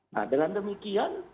nah dengan demikian